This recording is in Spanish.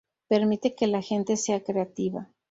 Permite que la gente sea creativa.